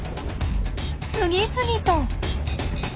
次々と！